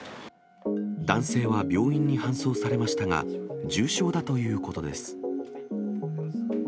男性は病院に搬送されましたが、重傷だということです。